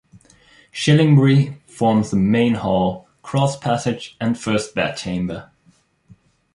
Shillingbury forms the main hall, cross passage and first bedchamber.